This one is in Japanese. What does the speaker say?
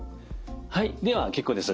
はいでは結構です。